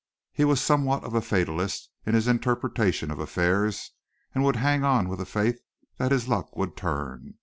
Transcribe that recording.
He was somewhat of a fatalist in his interpretation of affairs and would hang on with the faith that his luck would turn.